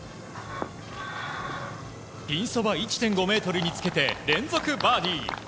ピンそば１．５ｍにつけて連続バーディー。